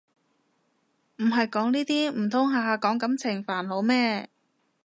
唔係講呢啲唔通下下講感情煩惱咩